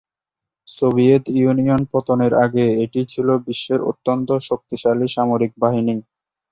Soviet Union পতনের আগে এটি ছিল বিশ্বের অত্যন্ত শক্তিশালী সামরিক বাহিনী।